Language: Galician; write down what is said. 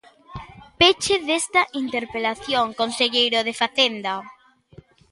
Peche desta interpelación, conselleiro de Facenda.